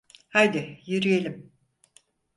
Haydi yürüyelim…